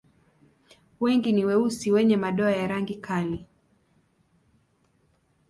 Wengi ni weusi wenye madoa ya rangi kali.